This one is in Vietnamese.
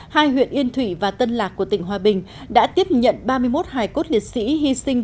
hai huyện yên thủy và tân lạc của tỉnh hòa bình đã tiếp nhận ba mươi một hải cốt liệt sĩ hy sinh